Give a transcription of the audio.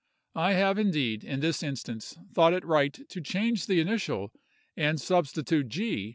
I have indeed, in this instance, thought it right to change the initial, and substitute G.